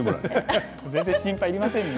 全然、心配いりませんね。